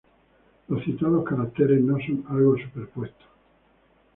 Los citados caracteres no son algo superpuesto.